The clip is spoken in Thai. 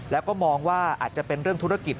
แล้วก็มองว่าอาจจะเป็นเรื่องธุรกิจ